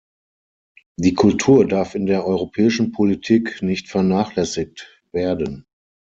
Die Kultur darf in der europäischen Politik nicht vernachlässigt werden.